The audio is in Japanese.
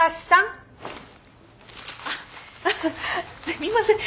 すみません。